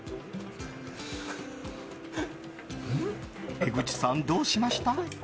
江口さんどうしました？